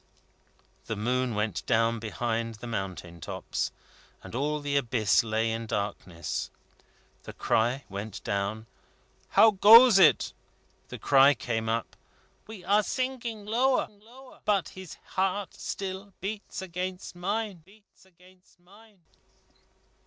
The moon went down behind the mountain tops, and all the abyss lay in darkness. The cry went down: "How goes it?" The cry came up: "We are sinking lower, but his heart still beats against mine."